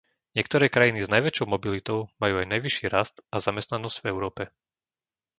Niektoré krajiny s najväčšou mobilitou majú aj najvyšší rast a zamestnanosť v Európe.